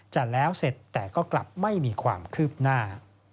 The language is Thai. จะแล้วเสร็จแต่ก็กลับไม่มีความคืบหน้า